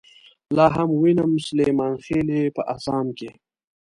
لاهم وينم سليمانخيلې په اسام کې